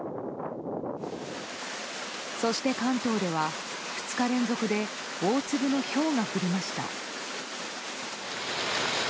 そして関東では、２日連続で大粒のひょうが降りました。